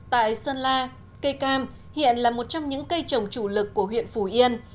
tại sơn la cây cam hiện là một trong những cây trồng chủ lực của huyện phủ yên